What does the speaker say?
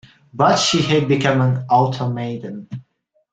But she had become an automaton.